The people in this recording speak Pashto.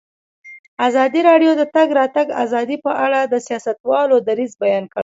ازادي راډیو د د تګ راتګ ازادي په اړه د سیاستوالو دریځ بیان کړی.